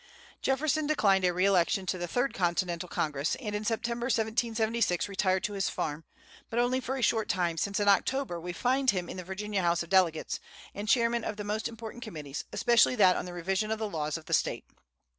Jefferson declined a re election to the third Continental Congress, and in September, 1776, retired to his farm; but only for a short time, since in October we find him in the Virginia House of Delegates, and chairman of the most important committees, especially that on the revision of the laws of the State.